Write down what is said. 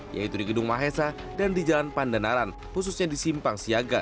yaitu di gedung mahesa dan di jalan pandanaran khususnya di simpang siaga